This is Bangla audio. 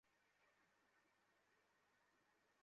পোশাক তো পরে আসি।